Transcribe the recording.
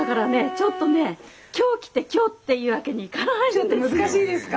ちょっとね今日来て今日っていうわけにいかないんですよ。